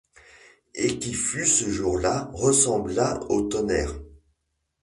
Et qui fut ce jour-là ressemblant au tonnerre.